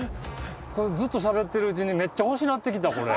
ずっとしゃべってるうちに、めっちゃ欲しなってきた、これ。